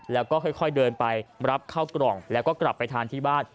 แล้วก็ค่อยเดินไปรับข้าวกล่องแล้วก็กลับไปทานที่บ้าน